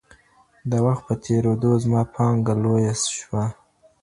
د وخت په تېرېدو زما پانګه لویه شوه.